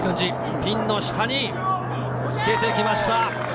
ピンの下につけてきました。